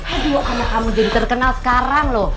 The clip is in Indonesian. aduh karena kamu jadi terkenal sekarang loh